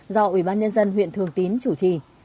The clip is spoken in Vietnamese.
do ủy ban nhân dân huyện thường tín chủ trì